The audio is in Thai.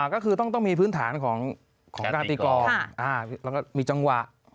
ก็คือต้องมีพื้นฐานของการตีกองแล้วก็มีจังหวะ